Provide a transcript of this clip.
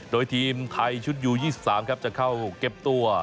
โดยทีมไทยชุดยู๒๓ครับจะเข้าเก็บตัว